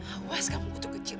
awas kamu butuh kecil